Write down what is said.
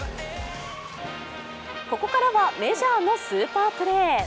ここからはメジャーのスーパープレー。